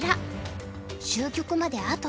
終局まであと１手。